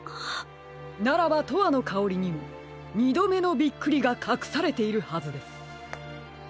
ならば「とわのかおり」にもにどめのびっくりがかくされているはずです。